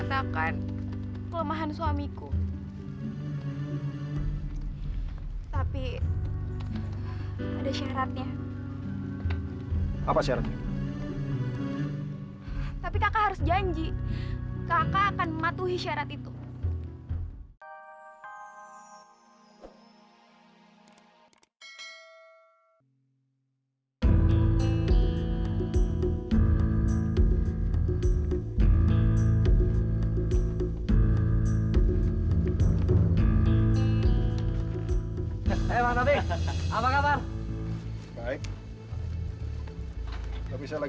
sampai jumpa di video selanjutnya